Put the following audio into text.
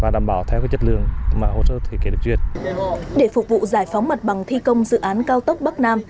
để phục vụ giải phóng mặt bằng thi công dự án cao tốc bắc nam